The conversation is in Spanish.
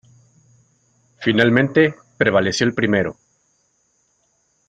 Finalmente prevaleció el primero.